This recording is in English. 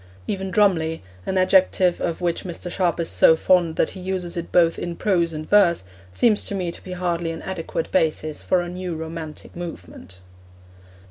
Even 'drumly,' an adjective of which Mr. Sharp is so fond that he uses it both in prose and verse, seems to me to be hardly an adequate basis for a new romantic movement.